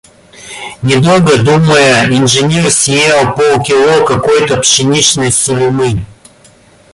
Не долго думая, инженер съел пол кило какой-то пшеничной сулемы.